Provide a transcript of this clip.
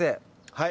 はい。